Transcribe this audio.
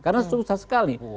karena susah sekali